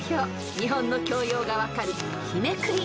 日本の教養が分かる］